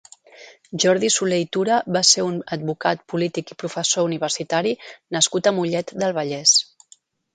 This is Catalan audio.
Jordi Solé i Tura va ser un advocat, polític i professor universitari nascut a Mollet del Vallès.